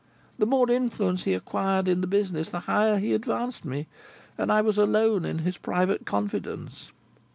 The more influence he acquired in the business, the higher he advanced me, and I was alone in his private confidence.